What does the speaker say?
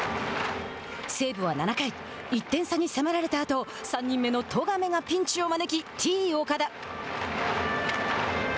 西武は７回１点差に迫られたあと３人目の十亀がピンチを招きＴ−岡田。